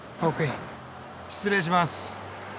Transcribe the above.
失礼します。